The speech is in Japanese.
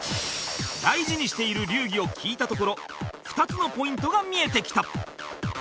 大事にしている流儀を聞いたところ２つのポイントが見えてきた